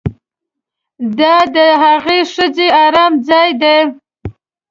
دا د هغې ښځې ارام ځای دی